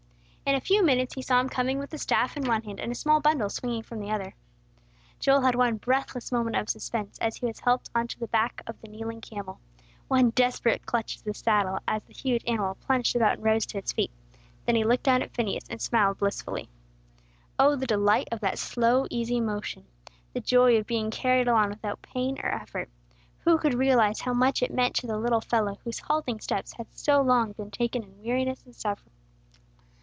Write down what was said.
In a few minutes he saw him coming with a staff in one hand, and a small bundle swinging from the other. Joel had one breathless moment of suspense as he was helped on to the back of the kneeling camel; one desperate clutch at the saddle as the huge animal plunged about and rose to its feet. Then he looked down at Phineas, and smiled blissfully. [Illustration: "HE LOOKED DOWN AT PHINEAS, AND SMILED BLISSFULLY"] Oh, the delight of that slow easy motion! The joy of being carried along without pain or effort! Who could realize how much it meant to the little fellow whose halting steps had so long been taken in weariness and suffering?